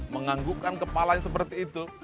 menganggukkan kepalanya seperti itu